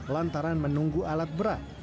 lantaran menunggu alat berat